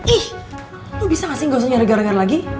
ih lo bisa gak sih gak usah nyari gara gara lagi